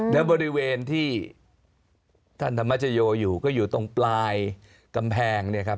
และบริเวณที่ท่านธรรมจโยคอยู่ก็อยู่ตรงปลายกำแพง